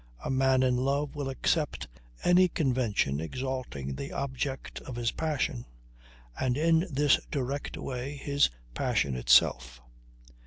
A man in love will accept any convention exalting the object of his passion and in this indirect way his passion itself.